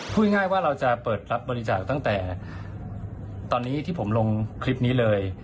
พูดง่ายว่าเราจะเปิดรับบริจาคตั้งแต่ตอนนี้ที่ผมลงคลิปนี้เลย